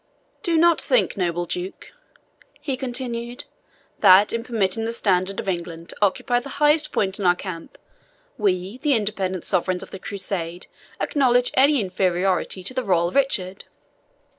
Do not think, noble Duke," he continued, "that, in permitting the standard of England to occupy the highest point in our camp, we, the independent sovereigns of the Crusade, acknowledge any inferiority to the royal Richard.